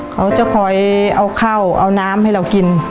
เขาจะคอยเอาข้าวเอาน้ำให้เรากิน